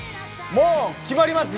もう決まります